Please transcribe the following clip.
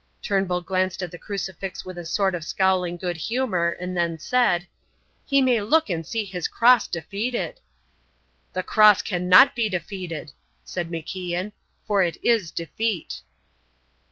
Turnbull glanced at the crucifix with a sort of scowling good humour and then said: "He may look and see His cross defeated." "The cross cannot be defeated," said MacIan, "for it is Defeat."